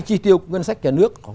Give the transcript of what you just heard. chi tiêu ngân sách nhà nước